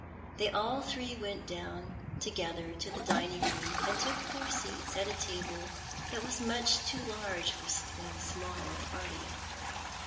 They all three went together to the dining room, and took their seats at a table that was much too large for so small a party.